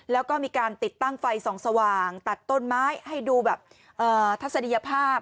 แล้วก็มีการติดตั้งไฟส่องสว่างตัดต้นไม้ให้ดูแบบทัศนียภาพ